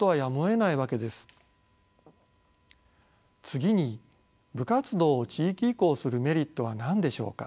次に部活動を地域移行するメリットは何でしょうか。